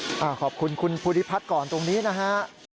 ก็จะถึงประตูหรือว่าตอนนี้เจ้าหน้าที่กันไว้ทั้งสองฝั่งแล้วใช่มั้ยครับ